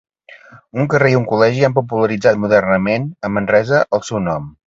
Un carrer i un col·legi han popularitzat modernament, a Manresa, el seu nom.